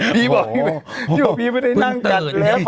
พี่บอกก็พูดนี่แหม